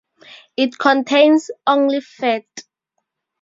It contains only fat.